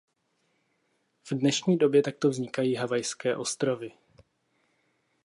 V dnešní době takto vznikají Havajské ostrovy.